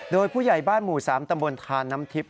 โดยผู้ใหญ่บ้านหมู่๓ตำบลทานน้ำทิพย